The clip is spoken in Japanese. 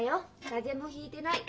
風邪もひいてない。